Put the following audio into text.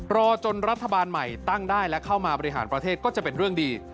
รอจนรัฐบาลใหม่ตั้งได้และเข้ามาบริหารประเทศก็จะเป็นเรื่องดี